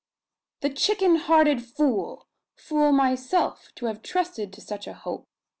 "The chicken hearted fool! Fool myself, to have trusted to such a hope!